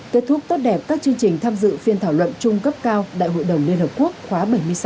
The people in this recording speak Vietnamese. kết thúc tốt đẹp các chương trình tham dự phiên thảo luận chung cấp cao đại hội đồng liên hợp quốc khóa bảy mươi sáu